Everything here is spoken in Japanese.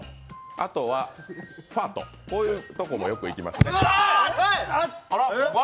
あとはファート、こういうとこもよく行きますね。